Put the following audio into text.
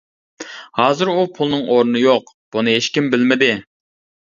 ھازىر ئۇ پۇلنىڭ ئورنى يوق. بۇنى ھېچكىم بىلمىدى.